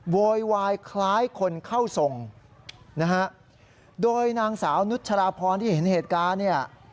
โวยวายคล้ายคนเข้าทรงนะฮะโดยนางสาวนุชราพรที่เห็นเหตุการณ์เนี่ย